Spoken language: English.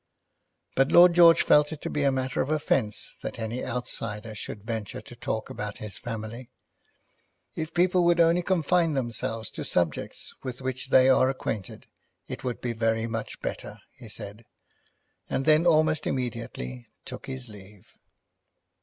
But Lord George felt it to be matter of offence that any outsider should venture to talk about his family. "If people would only confine themselves to subjects with which they are acquainted, it would be very much better," he said; and then almost immediately took his leave.